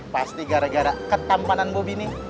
pasti gara gara ketampanan bobby nih